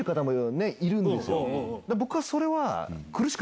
僕はそれは。